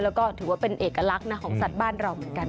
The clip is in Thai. แล้วก็ถือว่าเป็นเอกลักษณ์นะของสัตว์บ้านเราเหมือนกัน